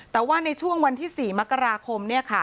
แต่ว่าในช่วงวันที่๔มกราคม